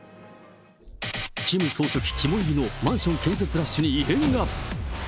キム総書記肝煎りのマンション建設ラッシュに異変が。